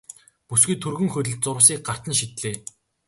Бүсгүй түргэн хөдөлж зурвасыг гарт нь шидлээ.